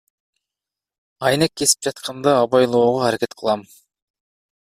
Айнек кесип жатканда абайлоого аракет кылам.